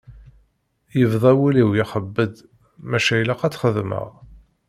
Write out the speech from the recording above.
Yebda wul-iw ixebbeḍ maca ilaq ad tt-xedmeɣ.